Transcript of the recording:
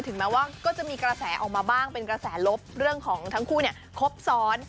แม้ว่าก็จะมีกระแสออกมาบ้างเป็นกระแสลบเรื่องของทั้งคู่เนี่ยครบซ้อน